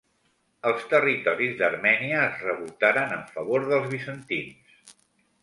Els territoris d'Armènia es revoltaren en favor dels bizantins.